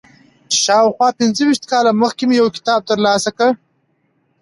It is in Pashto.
شاوخوا پنځه ویشت کاله مخکې مې یو کتاب تر لاسه کړ.